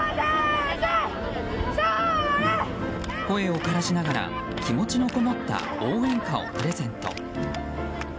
声をからしながら気持ちのこもった応援歌をプレゼント。